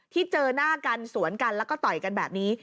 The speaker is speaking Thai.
ที่เจอหน้ากันสวนกันแล้วก็ต่อยกันแบบนี้